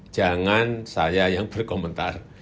jangan saya yang berkomentar